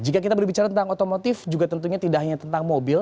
jika kita berbicara tentang otomotif juga tentunya tidak hanya tentang mobil